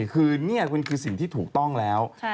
คือนี่มันคือสิ่งที่ถูกต้องแล้ว